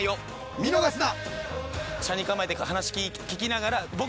見逃すな！